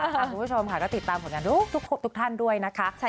คุณผู้ชมค่ะก็ติดตามผลงานทุกท่านด้วยนะคะ